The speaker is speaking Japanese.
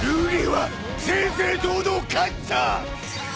瑠璃は正々堂々勝った！